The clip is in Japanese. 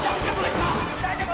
大丈夫？